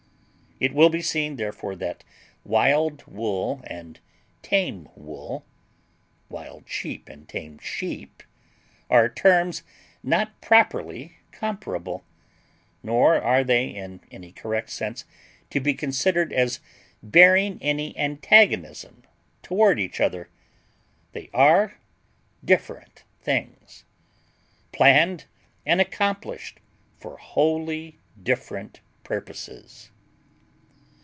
It will be seen, therefore, that wild wool and tame wool—wild sheep and tame sheep—are terms not properly comparable, nor are they in any correct sense to be considered as bearing any antagonism toward each other; they are different things. Planned and accomplished for wholly different purposes.